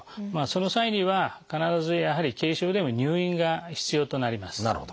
その際には必ずやはり軽症でも入院が必要となります。